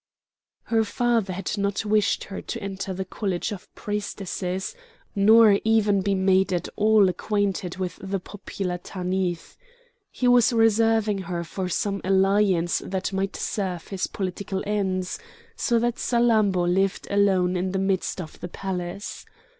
Her father had not wished her to enter the college of priestesses, nor even to be made at all acquainted with the popular Tanith. He was reserving her for some alliance that might serve his political ends; so that Salammbô lived alone in the midst of the palace.